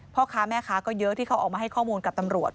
พ่อค้าแม่ค้าก็เยอะที่เขาออกมาให้ข้อมูลกับตำรวจ